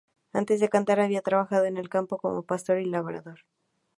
Antes de cantar había trabajado en el campo como pastor y labrador.